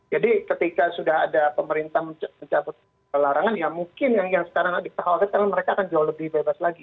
ya mungkin yang sekarang diperawakan karena mereka akan jauh lebih bebas lagi